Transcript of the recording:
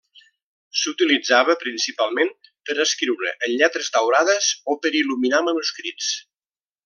S'utilitzava principalment per escriure en lletres daurades o per il·luminar manuscrits.